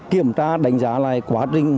kiểm tra đánh giá lại quá trình